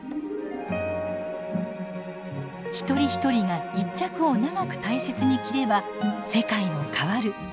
一人一人が１着を長く大切に着れば世界も変わる。